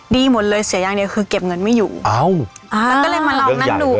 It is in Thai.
ดีหมดเลยเสียอย่างเดียวคือเก็บเงินไม่อยู่เอ้าอ่าแล้วก็เลยมาลองนั่งดู